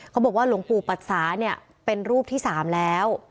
เขาบอกว่าหลวงปู่ปัดสาเนี่ยเป็นรูปที่๓แล้ว